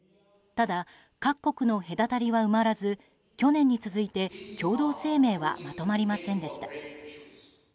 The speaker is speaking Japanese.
ただ、各国の隔たりは埋まらず去年に続いて共同声明はまとまりませんでした。